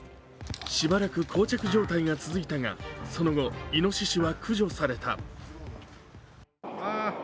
しばらくこう着状態が続いたがその後、いのししは駆除された。